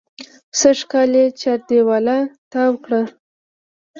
سږکال یې چاردېواله تاو کړه.